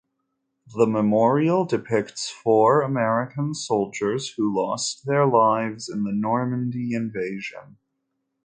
The memorial depicts four American soldiers who lost their lives in the Normandy invasion.